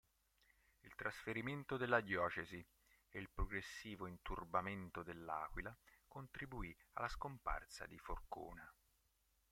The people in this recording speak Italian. Il trasferimento della diocesi e il progressivo inurbamento dell'Aquila contribuì alla scomparsa di Forcona.